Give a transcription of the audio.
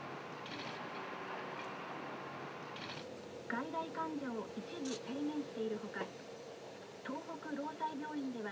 「外来患者を一時制限しているほか東北労災病院では」。